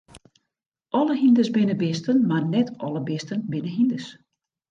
Alle hynders binne bisten, mar net alle bisten binne hynders.